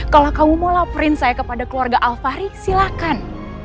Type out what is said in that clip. kalau kamu mau laporin saya kepada keluarga alvari silakan